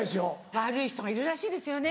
悪い人がいるらしいですよね。